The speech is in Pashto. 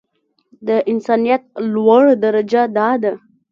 د انسانيت لوړه درجه دا ده.